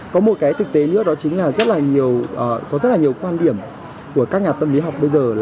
có một cái thực tế nữa đó chính là rất là nhiều có rất là nhiều quan điểm của các nhà tâm lý học bây giờ